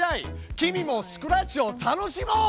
君もスクラッチを楽しもう！